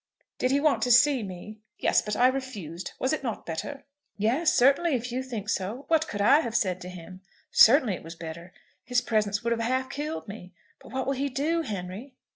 "Did he want to see me?" "Yes; but I refused. Was it not better?" "Yes; certainly, if you think so. What could I have said to him? Certainly it was better. His presence would have half killed me. But what will he do, Henry?"